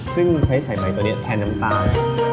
ซึ่งใช้สายไหมตัวนี้แทนน้ำตาล